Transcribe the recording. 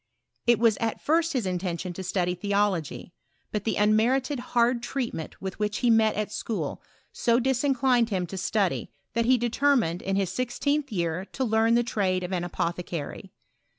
It was at first his intention to study theology; but the unmerited hard treatment which he metwithatschaol so disiaclined him to study, that he determined, in his sixteenth year, to leam the trade of an apothecary.